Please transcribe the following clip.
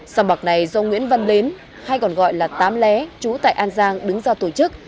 sòng bạc này do nguyễn văn đến hay còn gọi là tám lé chú tại an giang đứng ra tổ chức